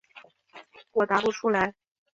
我答不出来。